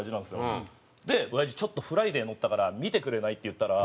で「おやじちょっと『フライデー』載ったから見てくれない？」って言ったら。